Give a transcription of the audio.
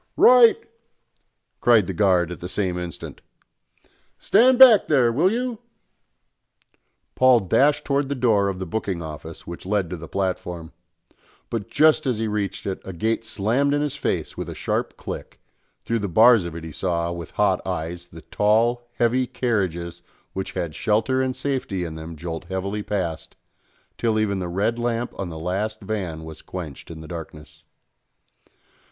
"Right!" cried the guard at the same instant. "Stand back there, will you!" Paul dashed towards the door of the booking office which led to the platform; but just as he reached it a gate slammed in his face with a sharp click, through the bars of it he saw, with hot eyes, the tall, heavy carriages which had shelter and safety in them jolt heavily past, till even the red lamp on the last van was quenched in the darkness.